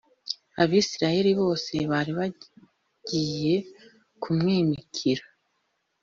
abisirayeli bose bari bagiye kumwimikira